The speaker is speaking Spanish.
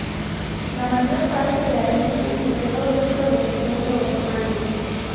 La mayor parte de Armenia se quedó dentro del Imperio otomano.